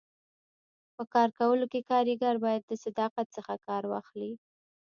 په کار کولو کي کاریګر باید د صداقت څخه کار واخلي.